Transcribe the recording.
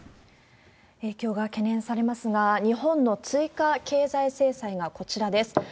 影響が懸念されますが、日本の追加経済制裁がこちらです。